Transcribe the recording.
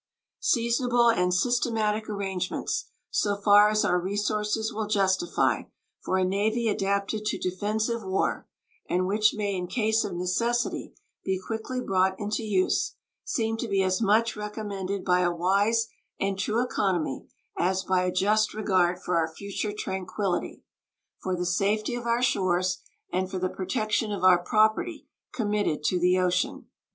Seasonable and systematic arrangements, so far as our resources will justify, for a navy adapted to defensive war, and which may in case of necessity be quickly brought into use, seem to be as much recommended by a wise and true economy as by a just regard for our future tranquillity, for the safety of our shores, and for the protection of our property committed to the ocean.